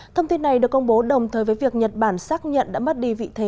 thông tin này được công bố đồng thời với việc nhật bản xác nhận đã mất đi vị thế